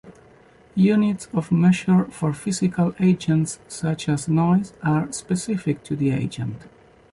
Units of measure for physical agents such as noise are specific to the agent.